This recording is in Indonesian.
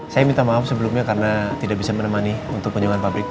saya minta maaf sebelumnya karena tidak bisa menemani untuk penyewaan pabrik